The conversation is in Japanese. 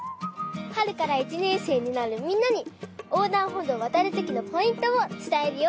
はるから１ねんせいになるみんなにおうだんほどうをわたるときのポイントをつたえるよ！